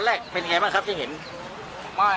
ตอนแรกเป็นอย่างไรบ้างครับจิง